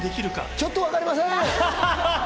ちょっとわかりません。